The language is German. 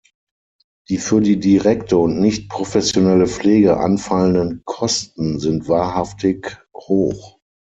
Die für die direkte und nicht professionelle Pflege anfallenden Kosten sind wahrhaftig hoch.